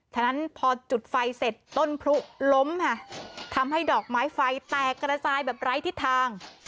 ฉะนั้นพอจุดไฟเสร็จต้นพลุล้มค่ะทำให้ดอกไม้ไฟแตกระจายแบบไร้ทิศทาง